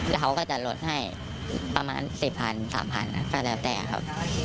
แล้วเขาก็จะลดให้ประมาณสิบพันสามพันแล้วก็แล้วแตกครับ